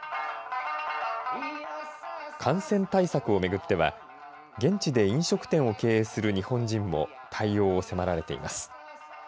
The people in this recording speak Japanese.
感染対策をめぐっては現地で飲食店を経営する日本人も対応を迫られています。